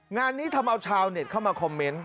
งานนี้ทำเอาชาวเน็ตเข้ามาคอมเมนต์